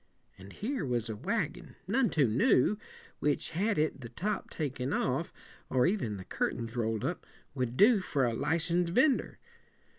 And here was a wagon, none too new, which had it the top taken off, or even the curtains roll ed up, would do for a li cen sed vender.